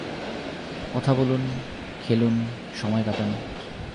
কথা বলুন, খেলুন, সময় কাটান।